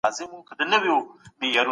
خوشبینه خلګ له ناروغۍ ژر روغیږي.